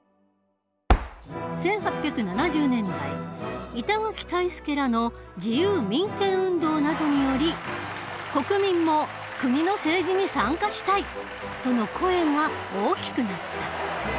１８７０年代板垣退助らの自由民権運動などにより国民も「国の政治に参加したい！」との声が大きくなった。